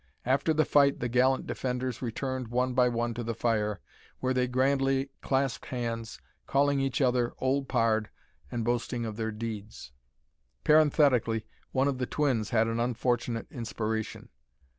After the fight the gallant defenders returned one by one to the fire, where they grandly clasped hands, calling each other "old pard," and boasting of their deeds. Parenthetically, one of the twins had an unfortunate inspiration.